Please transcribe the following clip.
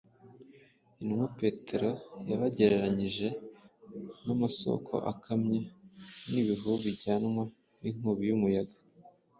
intumwa Petero yabagereranyije n’ «amasoko akamye, n’ibihu bijyanwa n’inkubi y’umuyaga